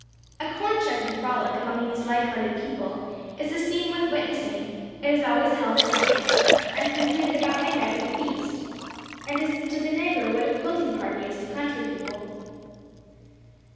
A corn shucking frolic among these light hearted people, is a scene worth witnessing; it is always held at night, and concluded about midnight with a feast, and is to the negro what a quilting party is to country people.